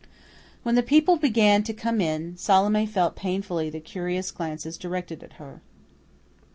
When the people began to come in, Salome felt painfully the curious glances directed at her.